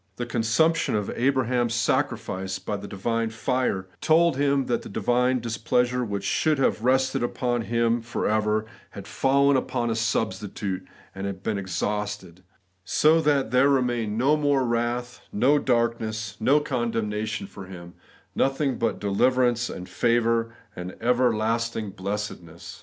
The consumption of Abraham's sacrifice by the divine fire told him that the divine displeasure which should have rested on him for ever, had fallen upon a substitute and been exhausted, so that there remained no more wrath, no darkness, 'no con B 1 8 The Everlasting Righteousness, denmation ' for him; nothing but deliverance and fiayoar and everlasting blessedness.